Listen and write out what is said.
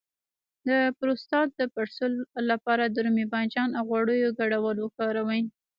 د پروستات د پړسوب لپاره د رومي بانجان او غوړیو ګډول وکاروئ